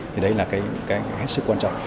thì đấy là cái hết sức quan trọng